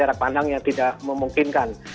jarak pandang yang tidak memungkinkan